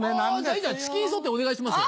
いいじゃんチキンソテーお願いします。